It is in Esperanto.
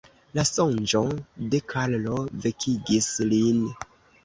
La sonĝo de Karlo vekigis lin.